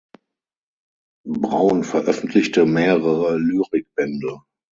Braun veröffentlichte mehrere Lyrikbände.